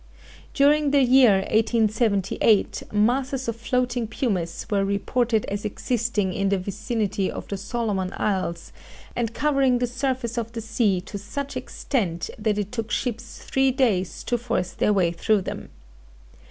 During the year 1878, masses of floating pumice were reported as existing in the vicinity of the Solomon Isles, and covering the surface of the sea to such extent that it took ships three days to force their way through them.